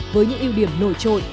với những ưu điểm nổi trội